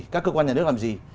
các cơ quan nhà nước làm gì